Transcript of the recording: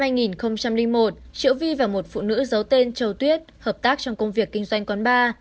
năm hai nghìn một triệu vi và một phụ nữ giấu tên châu tuyết hợp tác trong công việc kinh doanh quán bar